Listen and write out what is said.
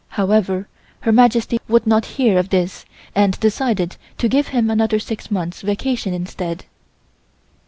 However, Her Majesty would not hear of this and decided to give him another six months vacation instead.